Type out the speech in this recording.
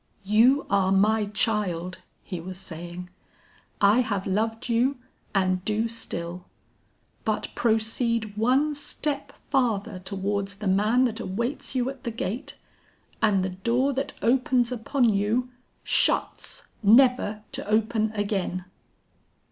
"'You are my child!' he was saying. 'I have loved you and do still; but proceed one step farther towards the man that awaits you at the gate, and the door that opens upon you, shuts never to open again!'